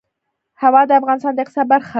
هوا د افغانستان د اقتصاد برخه ده.